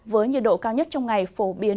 với nhiệt độ cao nhất trong ngày phổ biến